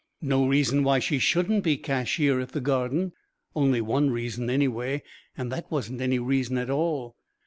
No reason why she shouldn't be cashier at the Garden. Only one reason, anyway, and that wasn't any reason at all....